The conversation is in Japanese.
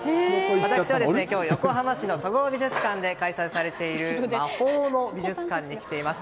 私は今日、横浜市のそごう美術館で開催されている「魔法の美術館」に来ています。